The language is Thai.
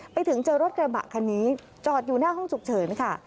ไปเจอรถกระบะคันนี้จอดอยู่หน้าห้องฉุกเฉินค่ะ